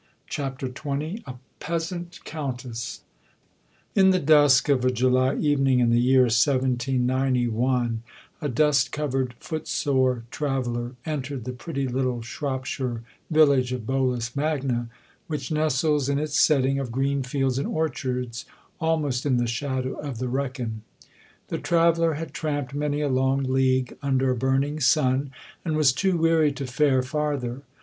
CHAPTER XX A PEASANT COUNTESS In the dusk of a July evening in the year 1791 a dust covered footsore traveller entered the pretty little Shropshire village of Bolas Magna, which nestles, in its setting of green fields and orchards, almost in the shadow of the Wrekin. The traveller had tramped many a long league under a burning sun, and was too weary to fare farther.